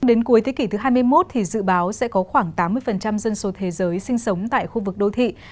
đến cuối thế kỷ thứ hai mươi một thì dự báo sẽ có khoảng tám mươi dân số thế giới sinh sống tại khu vực đô thị